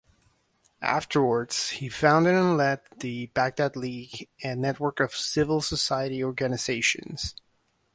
Afterwards he founded and led the "Baghdad League", a network of civil society organisations.